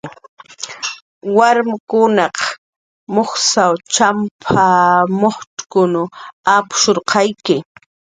"Warmkunaq jusanw champ""a, mujcxkun apshurqayki"